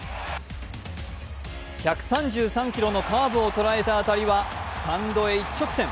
１３３キロのカーブを捉えた当たりはスタンドへ一直線。